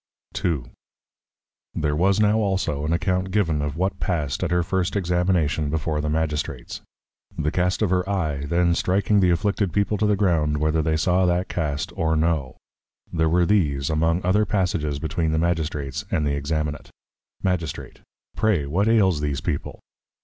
II. There was now also an account given of what passed at her first Examination before the Magistrates. The Cast of her Eye, then striking the afflicted People to the Ground, whether they saw that Cast or no; there were these among other Passages between the Magistrates and the Examinate. Magistrate. Pray, what ails these People?